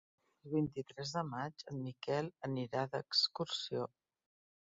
El vint-i-tres de maig en Miquel anirà d'excursió.